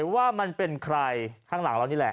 ว่ามันเป็นใครข้างหลังเรานี่แหละ